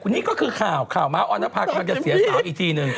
นี่ก็คือข่าวข่าวมาร์ทออนภัคดิ์จะเสียสนองอีกทีนึง